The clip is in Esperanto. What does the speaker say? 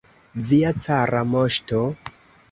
Via cara moŝto!